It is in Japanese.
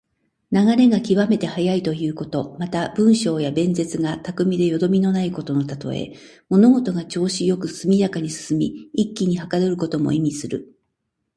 流れが極めて速いということ。また、文章や弁舌が巧みでよどみのないことのたとえ。物事が調子良く速やかに進み、一気にはかどることも意味する。